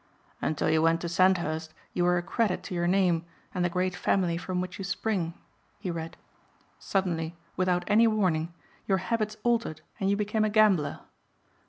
"Until you went to Sandhurst you were a credit to your name and the great family from which you spring," he read. "Suddenly, without any warning, your habits altered and you became a gambler.